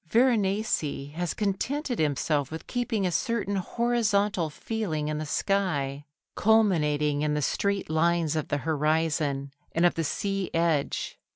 Veronese has contented himself with keeping a certain horizontal feeling in the sky, culminating in the straight lines of the horizon and of the sea edge.